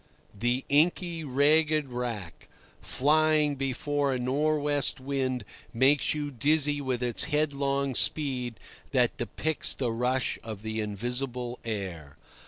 The inky ragged wrack, flying before a nor' west wind, makes you dizzy with its headlong speed that depicts the rush of the invisible air.